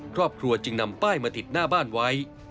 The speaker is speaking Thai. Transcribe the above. ครอบครัวจึงนำป้ายมาติดหน้าบ้านไว้